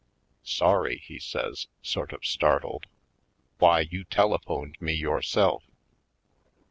"Sorry?" he says, sort of startled. "Why, you telephoned me yourself."